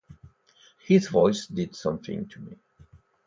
His voice did something to me.